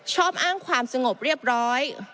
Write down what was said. ชอบอ้างความสงบเรียบร้อย